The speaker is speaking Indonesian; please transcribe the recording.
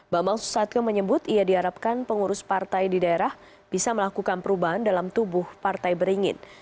bambang susatyo menyebut ia diharapkan pengurus partai di daerah bisa melakukan perubahan dalam tubuh partai beringin